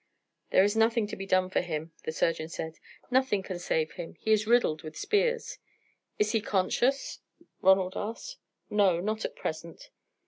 "There is nothing to be done for him," the surgeon said. "Nothing can save him; he is riddled with spears." "Is he conscious?" Ronald asked. "No, not at present."